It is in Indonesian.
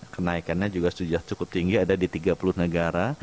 kenaikannya juga sudah cukup tinggi ada di tiga puluh negara